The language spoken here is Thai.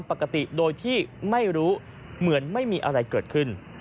ปกติโดยที่ไม่รู้เหมือนไม่มีอะไรเกิดขึ้น